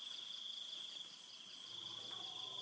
อีก๒ตัว